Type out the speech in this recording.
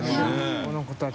この子たち。